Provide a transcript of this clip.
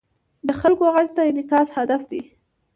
د خلکو غږ ته انعکاس هدف دی.